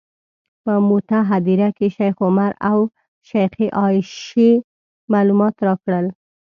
په موته هدیره کې شیخ عمر او شیخې عایشې معلومات راکړل.